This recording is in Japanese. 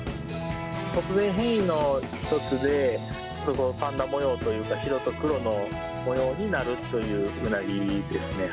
突然変異の一つで、パンダ模様というか、白と黒の模様になるというウナギですね。